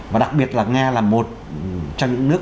và đặc biệt là nga là một trong những nước